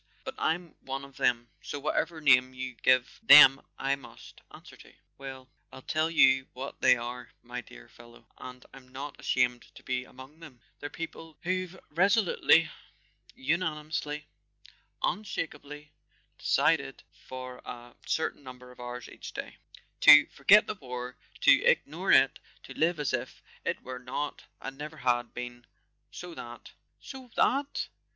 But I'm one of them, so whatever name you give them I must answer to. Well, I'll tell you what they are, my dear fellow—and I'm not ashamed to be among them: they're people who've resolutely, unanimously, unshakeably decided, for a certain number of hours each day, to forget the war, to ignore it, to five as if it were not and never had been, so that "[ 233 ] A SON AT THE FRONT "So that?"